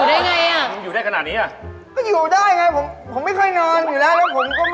ดูตาสิดูตาสิไม่ได้นอนมาหลายวันดูตาสิ